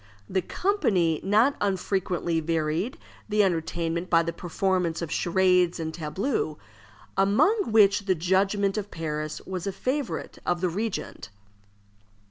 The company not unfrequently varied the entertainment by the performance of charades and tableaux, among which the judgment of Paris was a favorite of the regent.